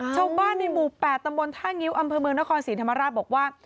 ชาวบ้านในหมู่๘ตำบลท่างิ้วอำเภอเมืองนครศรีธรรมราชบอกว่า